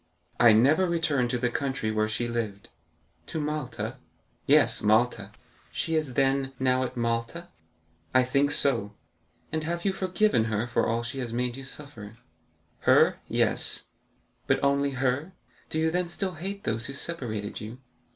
"I never returned to the country where she lived." "To Malta?" "Yes; Malta." "She is, then, now at Malta?" "I think so." "And have you forgiven her for all she has made you suffer?" "Her,—yes." "But only her; do you then still hate those who separated you?"